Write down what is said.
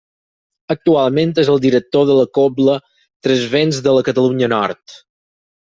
Actualment és el director de la Cobla Tres Vents de la Catalunya Nord.